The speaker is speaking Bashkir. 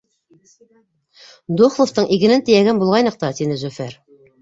— Духловтың игенен тейәгән булғайныҡ та, — тине Зөфәр.